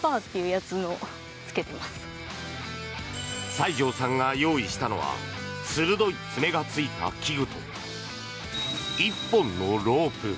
西條さんが用意したのは鋭い爪がついた器具と１本のロープ。